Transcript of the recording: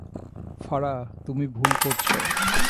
ফারা, তুমি ভুল করছ।